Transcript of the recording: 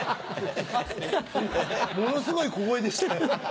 ものすごい小声でしたよ。